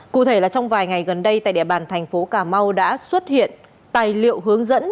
cụ thể là trong vài ngày gần đây tại địa bàn thành phố cà mau đã xuất hiện tài liệu hướng dẫn